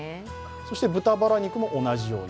そして豚バラ肉も同じように。